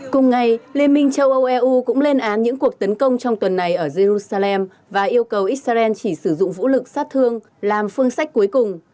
cùng ngày liên minh châu âu eu cũng lên án những cuộc tấn công trong tuần này ở jerusalem và yêu cầu israel chỉ sử dụng vũ lực sát thương làm phương sách cuối cùng